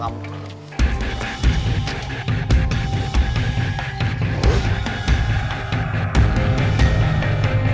aku mau putusin kamu